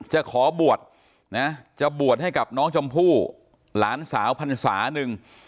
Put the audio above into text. จะขอบวชนะจะบวชให้กับน้องชมพู่หลานสาวพรรษาหนึ่ง